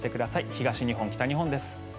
東日本、北日本です。